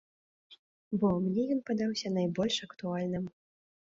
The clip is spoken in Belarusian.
Бо мне ён падаўся найбольш актуальным.